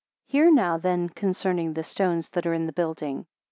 51 Hear now then concerning the stones that are in the building.